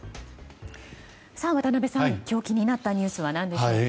渡辺さん、今日気になったニュースは何ですか？